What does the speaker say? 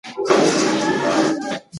هغې له پنځو نورو کسانو سره فضا ته ولاړه.